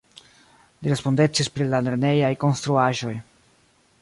Li respondecis pri la lernejaj konstruaĵoj.